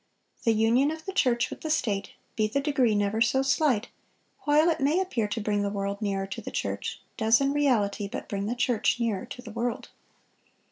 (449) The union of the church with the state, be the degree never so slight, while it may appear to bring the world nearer to the church, does in reality but bring the church nearer to the world.